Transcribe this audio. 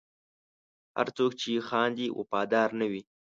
هر څوک چې خاندي، وفادار نه وي.